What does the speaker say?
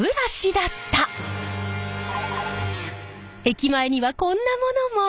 駅前にはこんなものも。